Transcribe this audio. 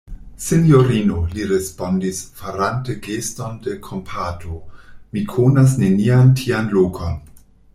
Sinjorino, li respondis, farante geston de kompato, mi konas nenian tian lokon.